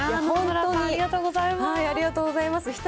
ありがとうございます。